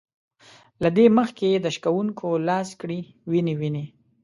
له دې مخکې د شکوونکي لاس کړي وينې وينې